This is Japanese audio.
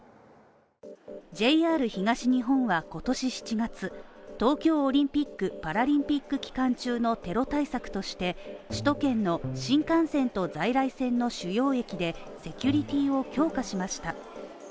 ＪＲ東日本は今年７月、東京オリンピックパラリンピック期間中のテロ対策として、首都圏の新幹線と在来線の主要駅でセキュリティを強化しました。